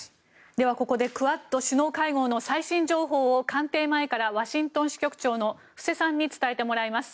では、ここでクアッド首脳会合の最新情報を官邸前からワシントン支局長の布施さんに伝えてもらいます。